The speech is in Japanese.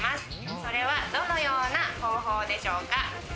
それはどのような方法でしょうか？